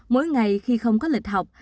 mỗi ngày khi không có lịch học